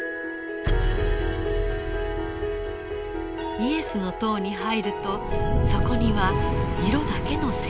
イエスの塔に入るとそこには色だけの世界が広がります。